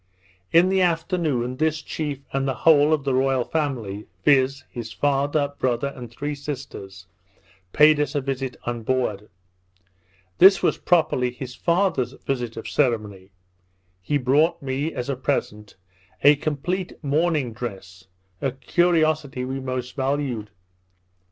In the afternoon, this chief and the whole of the royal family, viz. his father, brother, and three sisters, paid us a visit on board. This was properly his father's visit of ceremony. He brought me, as a present, a complete mourning dress, a curiosity we most valued.